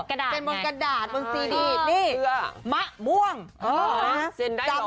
เออกระดาษไหมนี่มะม่วงนะฮะเซ็นได้หรอ